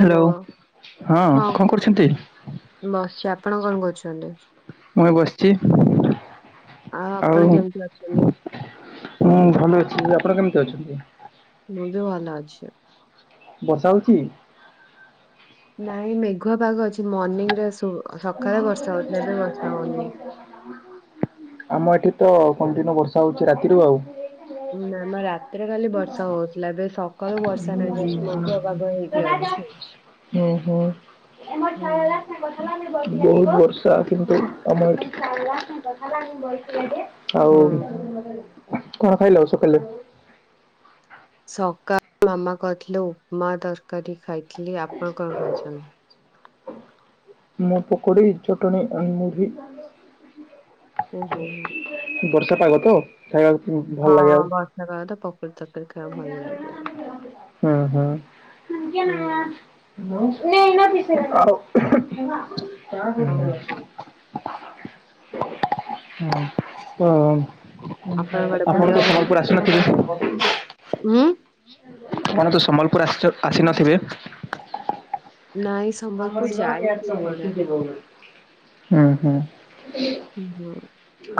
Hello ହଁ କଣ କରୁଛନ୍ତି? ବସଛୁ ଆପଣ କଣ କରୁଛନ୍ତି? ମୁ ଏ ବସଛି ଆପଣ ଆଉ। କେମିତି ଅଛନ୍ତି? ମୁଁ ଭଲ ଅଛି ଆପଣ କେମିତି ଅଛନ୍ତି? ମୁଁ ବି ଭଲ ଅଛି। ବର୍ଷା ହଉଚି? ନାଇଁ ମେଘୁଆ ପାଗ ଅଛି ମର୍ନିଂ ରେ ସୁ ସଖାଳେ ବର୍ଷା ହଉଥିଲା ଏବେ ବର୍ଷା ହଉନି। ଆମ ଏଠି ତ କଣ୍ଟିନ୍ୟୁ ବର୍ଷା ହଉଚି ରାତିରୁ ଆଉ। ହୁଁ ନା ମ ରାତିରେ କାଲି ବର୍ଷା ହଉଥିଲା ଏବେ ସକାଳୁ ବର୍ଷା ନାହିଁ ଜଷ୍ଟ ମେଘୁଆ ପାଗ ହେଇକି ଅଛି। ହ [inaudible] ଓ ହ। ବହୁତ ବର୍ଷା କିନ୍ତୁ ଆମର ଏଠି। ଆଉ ହୁଁ କଣ ଖାଇଲ ସକାଲେ? ସକାଳେ ମାମା କରିଥିଲେ ଉପମା ତରକାରୀ ଖାଇଥିଲି ଆପଣ କଣ ଖାଇଛନ୍ତି? ମୁ ପକୋଡ଼ି ଚଟଣି ଆଉ ମୁଢି। ଓ ହୋ ହୋ। ବର୍ଷା ପାଗ ତ ଖାଇବା ହଁ ବର୍ଷା ପାଗ ତ ପକୋଡି ତରକାରୀ ଖାଇବା ଭଲ ଲାଗିବ। ହୁଁ ହୁଁ ହୁଁ। [inaudible] ହୁଁ ଆଉ କଣ [unintelligible] ଆପଣ ତ ଆପଣଙ୍କ ଆଡେ ବୁଲିବାକୁ ସମ୍ବଲପୁର ଆସିନଥିବେ। ଉଁ। କଣ ତୁ ସମ୍ବଲପୁର ଆସି ଆସିନଥିବେ [inaudible] ନାଇଁ ହଁ ସମ୍ବଲପୁର ଯାଇଛି ଥରେ [inaudible] ହୁଁ ହୁଁ [inaudible]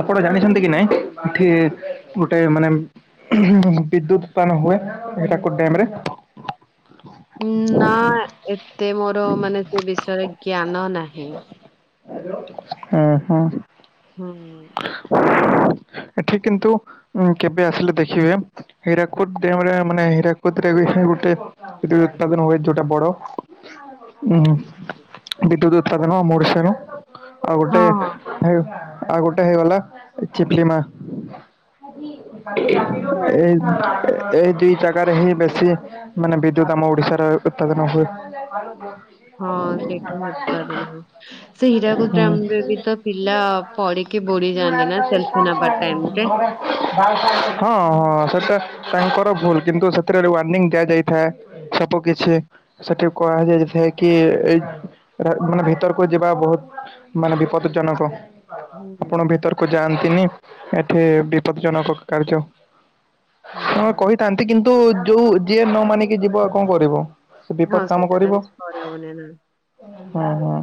ଆପଣ ଜାଣିଛନ୍ତି କି ନାଇଁ ଏଠି ଗୋଟେ ମାନେ ବିଦ୍ୟୁତପାନ ହୁଏ ଏଟାକୁ ଡ୍ୟାମ ରେ। ନା ଏତେ ମୋର ମାନେ ସେ ବିଷୟରେ ଜ୍ଞାନ ନାହିଁ। ହୁଁ ହୁଁ। ହୁଁ। ଏଠି କିନ୍ତୁ କେବେ ଆସିଲେ ଦେଖିବେ। ହୀରାକୁଦ ଡ଼୍ୟାମରେ ମାନେ ହୀରାକୁଦ ରେ ବି ଗୋଟେ ସେଟି ବି ଉତ୍ପାଦନ ହୁଏ ଯୋଟା ବଡ। ହୁଁ ବିଦ୍ୟୁତ ଉତ୍ପାଦନ ଆମ ଓଡ଼ିଶାରୁ ଆଉ ଗୋଟେ ହଁ ହଁ ଆଉ ଗୋଟେ ହେଇଗଲା ଚିପଲି ମା ହୁଁ। ହୁଁ। ଏଇ ଏଇ ଦୁଇ ଜାଗାରେ ହିଁ ବେଶୀ ମାନେ ବିଦ୍ୟୁତ ଆମ ଓଡିଶାର ଉତ୍ପାଦନ ହୁଏ। ହଁ ସେଇଟା ହିଁ ଉତ୍ପାଦନ ହୁଏ। ସେ ହୀରାକୁୁଦ ଡ୍ୟାମ ରେ ବି ତ ପିଲା ପଡିକି ବୁଡିଯାନ୍ତି ନା ସେଲ୍ଫି ନବା ଟାଇମରେ। ହଁ ହଁ ସେଟା ତାଙ୍କର ଭୁଲ କିନ୍ତୁ ସେଥିରେ ୱାରନିଙ୍ଗ ଦିଆଯାଇଥାଏ। ସବୁ କିଛି। ସେଠି କୁହାଯାଏ ଯେ କି ଏ ମାନେ ଭିତରକୁ ଯିବା ଭୁଲ୍। ମାନେ ବିପଦଜନକ। ହୁଁ ଆପଣ ଭିତରକୁ ଯାଆନ୍ତିନି ଏଠି ବିପଦ ଜନକ କାର୍ଯ୍ୟ। ହୁଁ ହ ହୁଁ। କହିଥାନ୍ତି କିନ୍ତୁ ଯୋଉ ଯିଏ ନ ମାନିକି ଯିବ ଆଉ କଣ କରିବ। ସେ ହଁ ସେଇଟା ତ ବି କ ମନେ ନା [inaudible] ହଁ ହଁ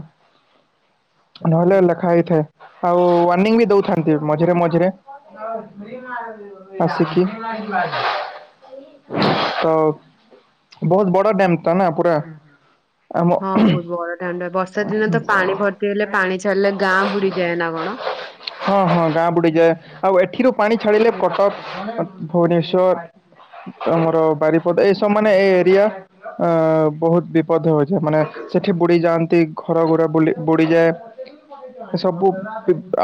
ନହେଲେ ହୁଁ ଲେଖା ହେଇଥାଏ ଆଉ- ୱନିଂ ବି ଦଉଥିନ୍ତି ମଝିରେ ମଝିରେ ହୁଁ। ଆସିକି ତ ବହୁତ ବଡ଼ା ଡେମ ଟା ନା ପୁରା ଆମ ହଁ ବହୁତ ବଡ ଡାମ୍ ଟା ବର୍ଷା ଦିନ ତ ପାଣି ଭର୍ତ୍ତି ହେଲେ ପାଣି ଛାଡିଲେ ଗାଁ ବୁଡିଯାଏ ନା କଣ? ହଁ ହଁ ଗାଁ ବୁଡିଯାଏ। ଆଉ ଏଠିରୁ ପାଣି ଛାଡିଲେ କଟକ ଭୁବନେଶ୍ଵର। ଆମର ବାରିପଦ ଏଇସବୁ ମାନେ ଏଇ ଏରିଆ ଅ ବହୁତ ବିପଦ ହଉଛି ମାନେ ସେଠି ବୁଡି ଯାଆନ୍ତି ଘର ଘରେ ବ ବୁଡିଯାଏ ଏ ସବୁ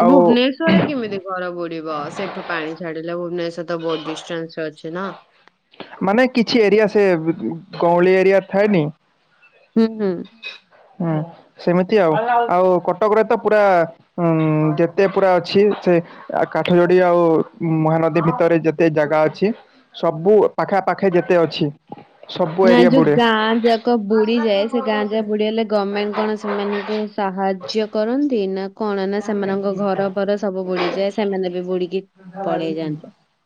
ଆଉ ଭୁବନେଶ୍ୱରରେ କେମିତି ଘର ବୁଡିବ ସେଠୁ ପାଣି ଛାଡିଲା ଭୁବନେଶ୍୍ୱର ତ ବହୁତ ଡିଷ୍ଟାନ୍ସରେ ଅଛି ନା ମାନେ କିଛି ଏରିଆ ସେ ଗଁଳି ଏରିଆ ଥାଏନି ହୁଁ ହୁଁ ହୁଁ ସେମିତି ଆଉ ଆଉ କଟକରେ ତ ପୁରା ହୁଁ ଯେତେ ପୁରା ଅଛି ସେ ଆ କାଠ ଯୋଡି ଆଉ ମହାନଦୀ ଭିତରେ ଯେତେ ଜାଗା ଅଛି ସବୁ ପାଖାପାଖି ଯେତେ ଅଛି। ସବୁ ନା ଏ ଏରିଆ ଯୋଉ ବୁଡେ। ଗାଁ ଯା ବୁଡି ଯାଏ ସେ ଗାଁ ଯାଏ ବୁଡ଼ିଗଲେ ଗଭର୍ଣ୍ଣମେଣ୍ଟ କଣ ସେମାନଙ୍କୁ ସାହାଯ୍ୟ କରନ୍ତି ନା। କଣ ନା ସେମାନଙ୍କ ଘର ଘର ସବୁ ବୁଡିଯାଏ ସେମାନେ ବି ବୁଡିକି ପଳେଇ ଯାଆନ୍ତି। ଉଁ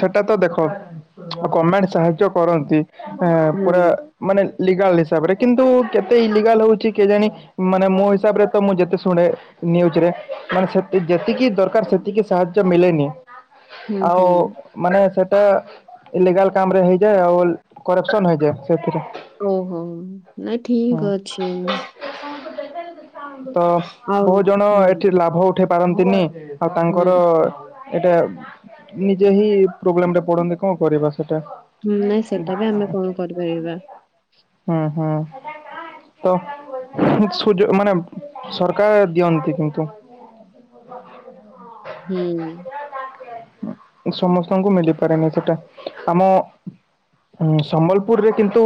ସେଟା ତ ଦେଖ ଆଉ ଗମେଣ୍ଟ୍ ସାହାଯ୍ୟ କରନ୍ତି। ଆଁ ହୁଁ -ପୁରା ମାନେ ଲିଗାଲ୍ ହିସାବରେ କିନ୍ତୁ କେତେ ଇଲିଗାଲ୍ ହଉଚି କିଏ ଜାଣି ମାନେ ମୋ ହିସାବରେ ତ ମୁଁ ଯେତେ ଶୁଣେ ନ୍ୟୁଜ୍ ରେ ମାନେ ସେତି- ଯେତିକି ଦରକାର୍ ସେତିକି ସାହାଯ୍ୟ ମିଲେନି। ହୁଁ ଆଉ ହୁଁ ମାନେ ସେଟା ଇଲିଗାଲ୍ କାମ ରେ ହେଇଯାଏ ଆଉ କରପ୍ସନ୍ ହେଇଯାଏ ସେଥିରେ। ଓ ହୋ ନାଇଁ ଠିକ୍ ହୁଁ। ଅଛି। ତ ଆଉ ବହୁତ୍ ଜଣ ହୁଁ ଏଠି ଲାଭ ଉଠ୍ ଉଠେଇ ପାରନ୍ତିନି ଆଉ ତାଙ୍କର ହୁଁ ଏଇଟା ନିଜେ ହିଁ ପ୍ରୋବ୍ଲେମ୍ ରେ ପଡନ୍ତି କଣ କରିବା ସେଟା। ହୁଁ ନାଇଁ ସେଟା ବି ଆମେ କଣ କରିପାରିବା। ହୁଁ -ହୁଁ- ତ ସୁଯ- ମାନେ ସରକାର୍ ଦିଅନ୍ତି କିନ୍ତୁ। [inaudible] ହୁଁ। ସମସ୍ତଙ୍କୁ ମିଲିପାରେନି ସେଟା ଆମ ହୁଁ ସମ୍ବଲପୁରରେ କିନ୍ତୁ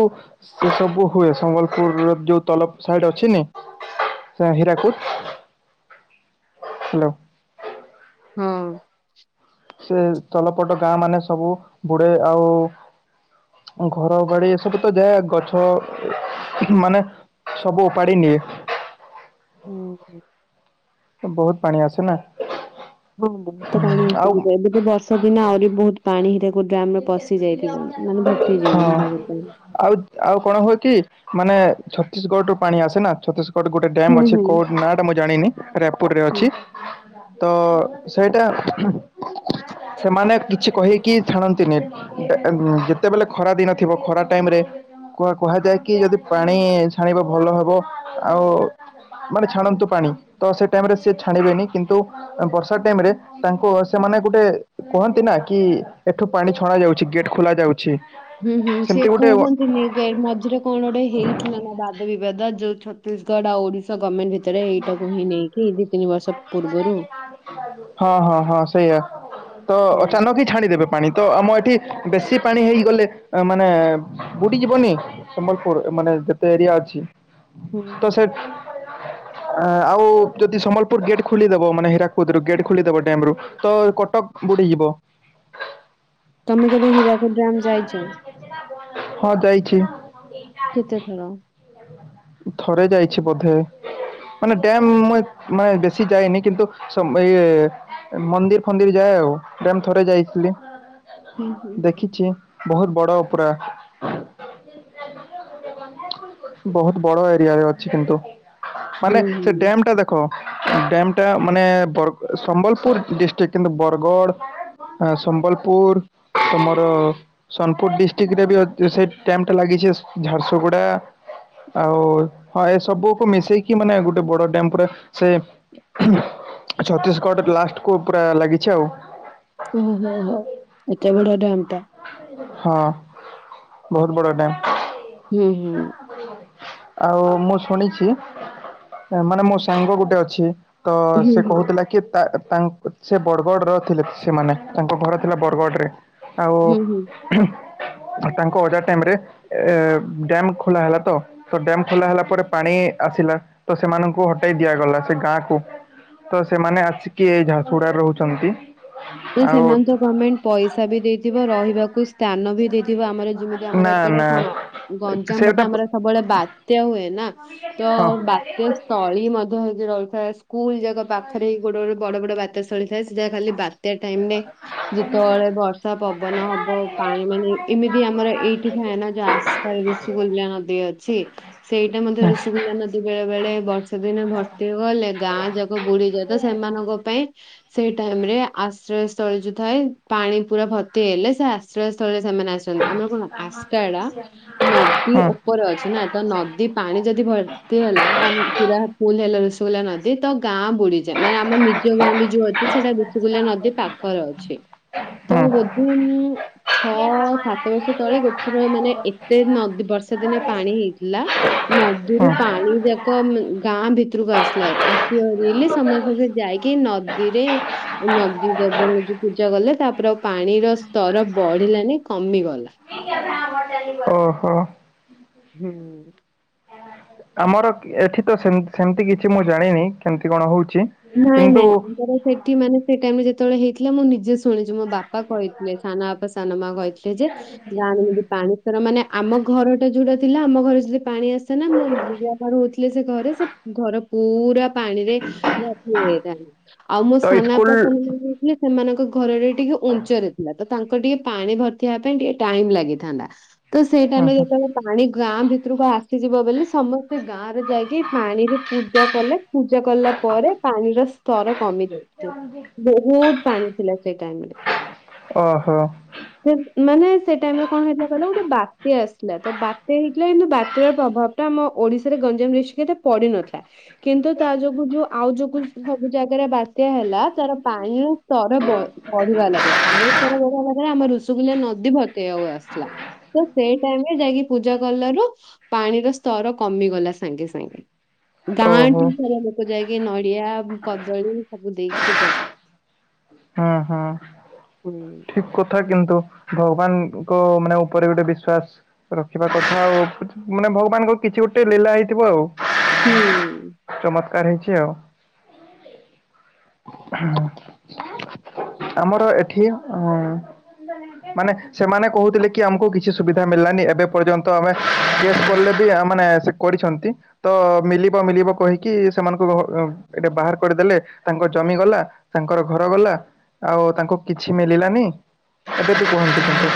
ସେ ସବୁ ହୁଏ ସମ୍ବଲପୁରର ଯଉ ତଲବ୍ ସାଇଡ୍ ଅଛିନି ସେ ହୀରାକୁଦ୍ ହାଲୋ। ହୁଁ। ସେ ତଲପଟ ଗାଁ ମାନେ ସବୁ ବୁଡେ ଆଉ ଘର ଗାଡି ଏସବୁ ତ ଯାଏ ଗଛ ମାନେ ସବୁ ଉପାଡିନିଏ। ହୁଁ- ହୁଁ। ବହୁତ୍ ପାଣି ଆସେ ନା। ହଁ ବହୁତ ପାଣି ଆଉ ଆସୁଚି ଏବେ ତ ବର୍ଷା ଦିନ ଆହୁରି ବହୁତ୍ ପାଣି ହୀରାକୁଦ୍ ଡ୍ୟାମ୍ ରେ ପଶି ଯାଇଥିବ ମାନେ ହଁ [unintelligible] ଆଉ ଆଉ କଣ ହୁଏ କି ମାନେ ଛତିଶଗଡ୍ ରୁ ପାଣି ଆସେ ନା ଛତିଶଗଡ୍ ଗୋଟ୍ ଡ୍ୟାମ୍ ହୁଁ ଅଛି ହୁଁ କଉ ନାଁ ଟା ମୁଁ ଜାଣିନି ରାୟପୁରରେ ହୁଁ। ଅଛି। ତ ସେଇଟା ସେମାନେ କିଛି କହିକି ଛାଣନ୍ତିନି ଏ-ଏ-ଯେତେବେଲେ ଖରା ଦିନ ଥିବ ଖରା ଟାଇମ୍ ରେ କୁ- କୁହାଯାଏ କି ଯଦି ପାଣି ଛାଣିବ ଭଲ ହବ ଆଉ ମାନେ ଛାଣନ୍ତୁ ପାଣି ତ ସେ ଟାଇମ୍ ରେ ସିଏ ଛାଣିବେନି କିନ୍ତୁ ଆ-ବର୍ଷା ଟାଇମ୍ ରେ ତାଙ୍କ ସେମାନେ ଗୋଟେ କୁହନ୍ତି ନା କି ଏଠୁ ପାଣି ଛଣା ଯାଉଚି ଗେଟ୍ ଖୋଲା ଯାଉଚି। ହୁଁ -ହୁଁ ସେ କୁହନ୍ତି ନି ଏଇ ମଝିରେ କଣ ଗୋଟେ ହେଇଥିଲା ନା ବାଦ ବିବାଦ ଯଉ ଛତିଶଗଡ୍ ଆଉ ଓଡିଶା ଗର୍ମେଣ୍ଟ୍ [unintelligible] ତ ଏଇଟାକୁ ହିଁ ନେଇକି ଦି ତିନି ବର୍ ହଁ -ହଁ- ହଁ ସେଇଆ ତ ହୁଁ ଅଚାନକ୍ ଯି ଛାଡିଦେବେ ପାଣି ତ ଆମ ଏଠି ବେଶୀ ପାଣି ହେଇଗଲେ ମାନେ ବୁଡ଼ିଯିବନି। ସମ୍ବଲପୁର୍ ମାନେ ଯେତେ ଏରିଆ ଅଛି। ହୁଁ ତ ହୁଁ। ସେତ୍ ଆଉ ଯଦି ସମ୍ବଲପୁର୍ ଗେଟ୍ ଖୋଲିଦବ ମାନେ ହରାକୁଦରୁ ଗେଟ୍ ଖୋଲିଦବ ଡ୍ୟାମ୍ ରୁ ତ କଟକ୍ ବୁଡି ଯିବ। ହଁ ତମେ କେବେ ହୀରାକୁଦୁ ଡ୍ୟାମ ଯାଇଛ? ହଁ ଯାଇଛି। କେତେଥର। ଥରେ ଯାଇଛି ବୋଧେ। ମାନେ ଡ୍ୟାମ ମୁ ମାନେ ବେଶି ଯାଇନି କିନ୍ତୁ ସମ ଇଏ ମନ୍ଦିର ଫନ୍ଦିର ଯାଏ ଆଉ ଡମ୍ ଥରେ ଯାଇଥିଲି ହୁଁ ହୁଁ ହୁଁ। ଦେଖିଛି। ବହୁତ ବଡ଼ ପୁରା ବହୁତ ବଡ ଏରିଆରେ ଅଛି କିନ୍ତୁ ହୁଁ ମାନେ ସେ ହୁଁ ଡ୍ୟାମ ଟା ଦେ କ ଡ୍ୟାମ ଟା ମାନେ ବର ସମ୍ବଲପୁର ଡିଷ୍ଟିକ୍ କିନ୍ତୁ ବରଗଡ଼ ଆ ସମ୍ବଲପୁର ତମର ସୋନପୁର ଡିଷ୍ଟିକ୍ଟ ରେ ବି ଅ ସେଇ ଟ୍ୟାମ ଟା ଲାଗିଛି ସ ଝାରସୁଗୁଡା। ଆଉ ହଁ ଏ ସବୁକୁ ମିଶେଇକି ମାନେ ଗୋଟେ ବଡ ଡ୍ୟାମ ପୁରା ସେ ଛତିଶଗଡ ଲାଷ୍ଟକୁୁ ପୁରା ଲାଗିଛି ଆଉ। ଓହୋ ହୋ ହୋ ଏତେ ବଡ ଡ୍ୟାମ ଟା। ହଁ ବହୁତ ବଡ ଡ୍ୟାମ। ହୁଁ ହୁଁ। ଆଉ ମୁଁ ଶୁଣିଛି ମାନେ ମୋ ସାଙ୍ଗ ଗୋଟେ ଅଛି। ତ ହୁଁ ସେ ହୁଁ। କହୁଥିଲା କି ତା ତାଙ୍କ ସେ ବଡଗଡ଼ର ଥିଲେ ସେମାନେ ତାଙ୍କ ଘର ଥିଲା ବରଗଡ଼ରେ ଆଉ ହୁଁ ହୁଁ। ତାଙ୍କ ଅଜା ଟାଇମରେ ଏ ଡ୍ୟାମ୍ ଖୋଲା ହେଲା ତ। ତ ଡ୍ୟାମ ଖୋଲା ହେଲା ପରେ ପାଣି ଆସିଲା ତ ସେମାନଙ୍କୁ ହଟେଇ ଦିଆଗଲା ସେ ଗାଁକୁ। ତ ସେମାନେ ଆସିକି ଏଇ ଝାସୁଗୁଡାରେ ରହୁଛନ୍ତି। ନା ଆଉ ସେମାନେ ତ ଗମେଣ୍ଟ ପଇସା ବି ଦେଇଥିବ ରହିବାକୁ ସ ସ୍ଥାନ ବି ଦେଇଥିବ ଆମର ଯେମିତି ଆମର ନା ଏପଟେ ନା କଣ? ଗଞ୍ଜାମ ସେଟା ପଟେ ଆମର ସବୁବେଳେ ବାତ୍ୟା ହୁଏ ନା? ତ ହଁ ବାତ୍ୟା ସ୍ଥଳୀ ମଧ୍ୟ ହେଇକି ରହିଥାଏ ସ ସ୍କୁଲ ଯାକ ପାଖରେ ଗୋଟେ ଗୋଟେ ବଡ ବଡ ବାତ୍ୟା ସ୍ଥଳୀ ଦଏ ସେଟା ଖାଲି ବାତ୍ୟା ଟାଇମ ରେ ଯେତେବେଳେ ବର୍ଷା ପବନ ହବ ପାଣି ମାନେ ଏମିତି ଆମର ଏଇଠି ଥାଏ ନା ଯ ଆସ ତାରେ ଋଷିକଲ୍ୟା ନଦୀ ଅଛି ସେଇଟା ମଧ୍ୟ ଋଷିକଲ୍ୟା ନଦୀ ବେଳେ ବେଳେ ବର୍ଷ ଦିନେ ଭର୍ତ୍ତି ଗଲେ ଗାଁ ଯାକ ବୁଢୀ ଯାଏତ ସେମାନଙ୍କ ପାଇଁ ସେଇ ଟାଇମ ଆ ଆଶ୍ରୟ ସ୍ଥଳୀ ଯୋଉ ଥାଏ ପାଣି ପୁରା ଭର୍ତି ହେଲେ ସେ ଆଶ୍ରୟ ସ୍ଥଳ ରେ ସେମାନେ ଆସ। ଛନ୍ତି ଆମର କଣ ଆସ୍କାକାଡା ନଦୀ ଉପରେ ଅଛି ନା ତ ନଦୀ ପାଣି ଯଦି ଭ ତି ହେଲା ମାନେ ପୁରା ଫୁଲ ହେଲା ଋଷିକଲ୍ୟା ନଦୀ ତ ଗାଁ ବୁଡିଯାଏ ମାନେ ଆମର ନିଜ ଗାଁ ବି ଯୋଉ ଅଛି ସେଇଟା ଋଷିକଲ୍ୟା ନଦୀ ପାଖରେ ଅଛି ତ ହୁଁ ହୁଁ ବୋଧେ ଉଁ। ଛଅ ସାତ ବର୍ଷ ତଳେ ଗୋଟଥର ମାନେ ଏତେ ନଦୀ ବର୍ଷା ଦିନେ ପାଣି ହେଇଥିଲା ନଦୀରୁ ପାଣି ଯାକ କ ଗାଁ ଭିତରକୁ ଆସିଲା ଆସି ହରଲେ ସମସ୍ତେ ସେ ଯାଇକି ନଦୀରେ ନଦୀ ଦେବଙ୍କୁ ଯୋଉ ପୂଜା କଲେ ତାପରେ ଆଉ ପାଣିର ସ୍ତର ବଢିଲାନି କମିଗଲା। [unintelligible] ଓହୋ। ହୁଁ। ଆମର ଏଠି ତ ସେମ ସେମିତି କିଛି ମୁଁ ଜାଣିନି କେମିତି କଣ ହେଉଛି। ନାଇଁ ନାଇଁ ଆମର ସେଠି ମାନେ ସେ ଟାଇମ ଯେତେବେଳେ ହେଇଥିଲା ମୁଁ ନିଜେ ଶୁଣିଛୁ ମୋ ବାପା କହିଥିଲେ ସାନ ବାପା ସାନ ମା କହିଥିଲେ ଯେ ଗାଁରେ ଯି ପାଣି ର ମାନେ ଆମ ଘରଟା ଯୋଉଟା ଥିଲା ଆମ ଘରେ ଯଦି ପାଣି ଆସେ ନା ମୁଁ [unintelligible] ହଉଥିଲେ ସେ ଘରେ ସେ ଘର ପୁରା ପାଣିରେ ମୋ ପୁଅ କହିଥାନ୍ତୁ ଆଉ ମୋ ତ ସାନ ଅପା ସ୍କୁଲ ପଳେଇଲା ସେମାନଙ୍କ ଘରରେ ଟିକେ ଉଞ୍ଚ ରେ ଥିଲା ତ ତାଙ୍କର ଟିକେ ପାଣି ଭର୍ତି ହେବା ପାଇଁ ଟିକେ ଟାଇମ୍ ଲାଗିଥାନ୍ତା। ତ ସେଇ ଟାଇମ୍ ହୁଁ ରେ ହୁଁ ଯେତେବେଳେ ପାଣି ଗାଁ ଭିତରକୁ ଆସିଯିବ ବୋଲି ସମସ୍ତେ ଗାଁରେ ଯାଇକି ପାଣିରେ ପୂଜା କଲେ ପୂଜା କଲା ପରେ ପାଣିର ସ୍ତର କମିଯାଇଚି। ସେ ଅଣ୍ଡ୍ରି ବହୁତ ପାଣି ଥିଲା ସେଇ ଟାଇମ୍ ରେ। ଓହୋ। ସେ ମାନେ ସେ ଟାଇମ୍ ରେ କଣ ହେଇଥିଲା କହିଲା ଗୋଟେ ବାତ୍ୟା ଆସିଲା ତ ବାତ୍ୟା ହେଇଥିଲା କିନ୍ତୁ ବାତ୍ୟା ର ପ୍ରଭାବ ଆମ ଓଡିଶାରେ ଗଞ୍ଜାମ ଯାଜପୁର ଟା ପଡିିନଥିଲା କିନ୍ତୁ ତା ଯୋଗୁ ଯୋଉ ଆଉ ଯୋଉ ସବୁ ଜାଗାରେ ବାତ୍ୟା ହେଲା ତାର ପାଣିର ସ୍ତର ବଢିବା ଲାଗା ବାମଲେଶ୍ୱର ଦୋଗା ଭାଗା ଆମ ଋଷୁଗୁଲଲା ନଦୀ ଭତ ଆସିଲା। ତ ସେଇ ଟାଇମ୍ ରେ ଯାଇକି ପୂଜା କଲାରୁ ପାଣିର ସ୍ତର କମିଗଲା ସାଙ୍ଗେ ସାଙ୍ଗେ ଓହୋ ଗାଁଠି ସାରା ଲୋକ ଯାଇ ଆେ ନଡିଆ କଦଳୀ ସବୁ ଦେଇକି ପୂଜା। ହଁ ହଁ। ହୁଁ କଥା କିନ୍ତୁ ଭଗବାନଙ୍କ ମାନେ ଉପରେ ଗୋଟେ ବିଶ୍ଵାସ। ରଖିବା କଥା ଆଉ ମାନେ ଭଗବାନଙ୍କ କିଛି ଗୋଟେ ଲୀଲା ହେଇଥିବ ଆଉ। ହ୍ୟାଲୋ। ଚମତ୍କାର ହେଇଚି ଆଉ। ହଁ ଆମର ଏଠି ମୁଁ ମାନେ ସେମାନେ କହୁଥିଲେ କି ଆମକୁ କିଛି ସୁବିଧା ମିଳିଲାନି ଏବେ ପର୍ଯ୍ୟନ୍ତ ଆମେସ୍ କଲେ ବି ମାନେ ସେ କରିଛନ୍ତି ତ ମଳିବ ମଳିବ କହିକି ସେମାନଙ୍କୁ ଏଟେ ବାହାର କରିଦେଲେ ତାଙ୍କ ଜମି ଗଲା ତାଙ୍କର ଘର ଗଲା ଆଉ ତାଙ୍କୁ କିଛି ମିଳିଲାନି। ଏବେ ତୁ କୁହନ୍ତୁ କିନ୍ତୁ।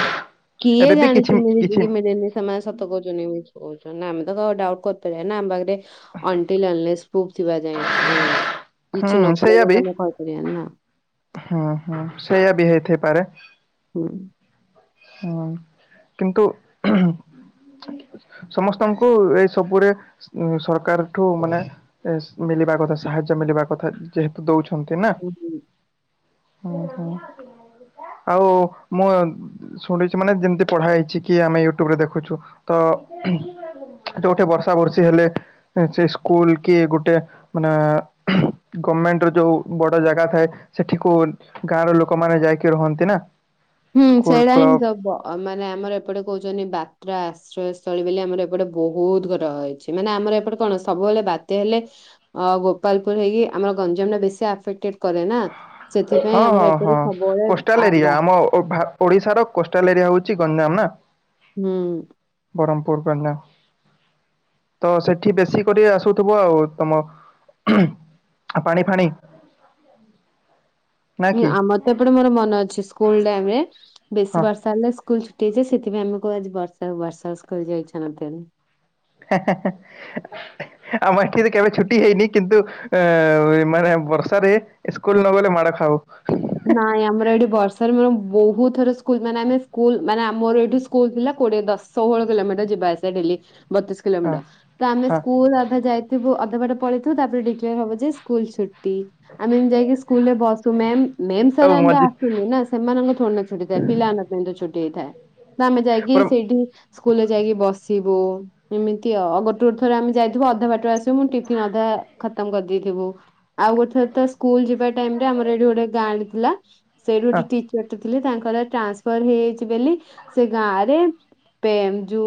କିଏ ଏବେ ବି ଜାଣେ କିଛି ବିପିହିଲି କିଛି କିମେଛି, ସେମାନେ ସତ କହୁଛନ୍ତି ୟ କହୁଛନ୍ତିମେ ତ ଡାଉଟ୍ କରିପାରିବା ନା ଆମ ପାଖରେ ଅଣ୍ ଥିବା ଯା ହୁଁ କିଛି ନଥିଲା ସେଇଆ ଯେେ ବି କହିପାର ନା। ହୁଁ ହୁଁ ସେଇୟା ବି ହେଇଥାଇପାରେ। ହୁଁ। ହୁଁ କିନ୍ତୁ ସମସ୍ତଙ୍କୁ ଏଇ ସବୁରେ ସରକାର ଠୁ ମାନେ ମିଳିବା କଥା ସାହାଯ୍ୟ ମିଳିବା କଥା ଯେହେତୁ ଦୋଉଛନ୍ତି ନା ହୁଁ ହୁଁ। ହୁଁ ହୁଁ ଆଉ ମୋ ଶୁଣିଚି ମାନେ ଯେମିତି ପଢା ହେଇଛି କି ଆମେ ୟୁଟ୍ୟୁବ ରେ ଦେଖୁଛୁ ତ ଏଠି ଗୋଟେ ବର୍ଷା ବର୍ଷୀ ହେଲେ ସେ ସ୍କୁଲ କି ଗୋଟେ ମାନେ ଗମେଣ୍ଟ ର ଯୋଉ ବଡ଼ ଜାଗା ଥାଏ ସେଠିକୁ ଗାଁର ଲୋକମାନେ ଯାଇକି ରହନ୍ତି ନା ହୁଁ ସ୍କୁଲ ସେଇଟା ହିଁ କ୍ଲବ ସବୁ ମାନେ ଆମର ଏପଟେ କହୁଛନ୍ତି ବାତ୍ରା ଆ ଆଶ୍ରୟସ୍ଥଳୀ ବୋଲି ଆମର ଏପଟେ ବହୁତ ଘର ହେଇଛି ମାନେ ଆମର ଏପଟେ କଣ ସବୁବେଳେ ବାତ୍ୟା ହେଲେ ଆଉ ଗୋପାଳପୁର ରେ ହେଇକି ଆମର ଗଞ୍ଜାମ ଟା ବେଶୀ ଆଫେକ୍ଟେଡ କରେ ନା ସେଥିପାଇଁ ହଁ ଆମର ହଁ ହଁ ଏପଟେ ସବୁବେଳେ ଆ କୋଷ୍ଟାଲ ଏରିଆ ବା ଆମ ଓଭା ଓଡ଼ିଶାର କୋଷ୍ଟାଲ ଏରିଆ ହୋଉଚି ଗଞ୍ଜାମ ନା। ହୁଁ। ବରହମପୁର ପେଣ୍ଡା ତ ସେଠି ବେଶୀ କରି ଆସୁଥିବ ଆଉ ତୋମ ଆଉ ପାଣି ଫାଣି। ନା ହୁଁ, କି ଆମର ତ ଏପଟେ ମୋର ମନ ଅଛି ସ୍କୁଲ୍ ଟାଇମୂ ରେ ହଁ। ବେଶୀ ବର୍ଷା ହେଲେ ସ୍କୁଲ୍ ଛୁ ଟି ହେଇଯାଏ, ସେଥିପାଇଁ ଆମକୁ ଆଜି ବର୍ଷା ବର୍ଷା ସ୍କୁଲ୍ ଯିବାକୁ ଇଚ୍ଛା ନଥାଏ। ହା ହା ନାହିଁ ଆମ ଏଠି ତ କେବେ ଛୁଟି ହେଇନି, କିନ୍ତୁ ଅ, ଏ ମାନେ ବର୍ଷାରେ ଇସ୍କୁଲ୍ ନ ଗଲେ ମାଡ଼ ଖାାଉ। ନାଇଁ ଆମର ଏଠି ବର୍ଷାରେ ମୋର ବହୁତ ଥର ସ୍କୁଲ୍ ମାନେ ଆମେ ସ୍କୁଲ୍ ମାନେ ଆମର ଏଠି ସ୍କୁଲ୍ ଥିଲା କୋଡିଏ ଦଶ ଷୋହଳ କିଲୋମିଟର ଯିବା ଆସିଆ ଡେଲି ବତିଶ ହଁ। କିଲୋମିଟର। ତ ଆମେ ହଁ ସ୍କୁଲ୍ ଅଧା ଯାଇଥିବୁ, ଅଧା ବାଟ ପଳେଇଥିବୁ ତାପରେ ଡିକ୍ଲେୟାର ହବ ଯେ ସ୍କୁଲ୍ ଛୁଟି। ଆମେ ଏମତି ଯାଇକି ସ୍କୁଲ୍ ରେ ବସୁ ମ୍ୟାମ୍ ମେମ୍ ସାର୍ ଆଉ ଏମତି ମଜି ଆସନ୍ତି ନା, ସେମାନଙ୍କ ଥୋଡି ନା ଛୁଟି ଥାଏ। ପିଲାମାନଙ୍କ ପାଇଁ ତ ଛୁଟି ହେଇଥାଏ। ତ ଆମେ ଯାଇକି ପୁରା ସେଇଠି ସ୍କୁଲ୍ ରେ ଯାଇକି ବସିବୁ, ଏମିତି ଓ, ଓ ଗୋଟେ ଗୋଟେ ଥରେ ଆମେ ଯାଇଥିବୁ ଅଧା ବାଟରେ ଆସିବୁ ମୁଁ ଟିଫ୍ ଫିନ୍ ଅଧା ଖତମ କରିଦେଇଥିବୁ, ଆଉ ଗୋଟେ ଥର ଥର ସ୍କୁଲ୍ ଯିବା ଟାଇମ୍ ରେ ଆମର ଏଠି ଗୋଟେ ଗାଁ ଟେ ଥିଲା, ସେଇଠୁ ହଁ ଟିକି କାଟୁ ଥିଲେ ତାଙ୍କର ଟ୍ରାନ୍ସଫର୍ ହେଇଯାଇଛି ବେଲି ସେ ଗାଁ ରେ ପେମ୍ ଯୁ